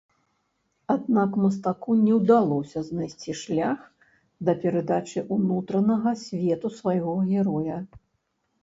Аднак мастаку не ўдалося знайсці шлях да перадачы ўнутранага свету свайго героя.